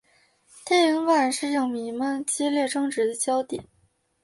电影版是影迷们激烈争执的焦点。